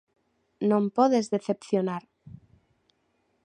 Non podes decepcionar.